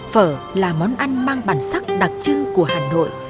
phở là món ăn mang bản sắc đặc trưng của hà nội